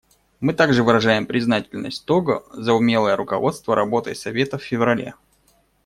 Мы также выражаем признательность Того за умелое руководство работой Совета в феврале.